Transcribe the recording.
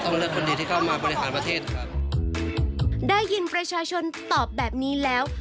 เลือกคนดีที่เข้ามาบริหารประเทศครับได้ยินประชาชนตอบแบบนี้แล้ว